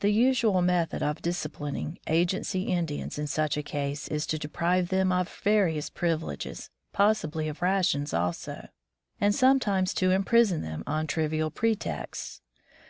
The usual method of disciplining agency Indians in such a case is to deprive them of various privileges, possibly of rations also, and sometimes to imprison them on trivial pretexts.